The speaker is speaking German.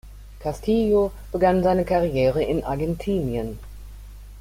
Castillo begann seine Karriere in Argentinien.